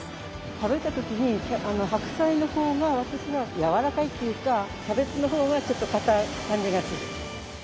食べた時に白菜の方が私は柔らかいっていうかキャベツの方がちょっとかたい感じがする。